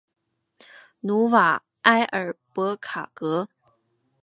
努瓦埃尔博卡格。